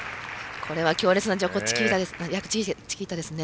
これは強烈な逆チキータですね。